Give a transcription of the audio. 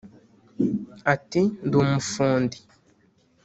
Ati ‘‘Ndi umufundi